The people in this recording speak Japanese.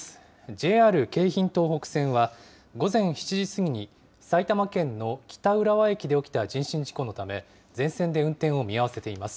ＪＲ京浜東北線は、午前７時過ぎに埼玉県の北浦和駅で起きた人身事故のため、全線で運転を見合わせています。